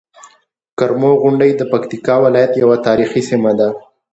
کرمو غونډۍ د پکتيکا ولايت یوه تاريخي سيمه ده.